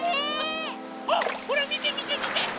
あっほらみてみてみて！